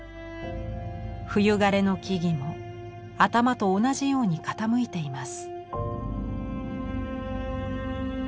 冬枯れの木々も頭と同じように傾いています。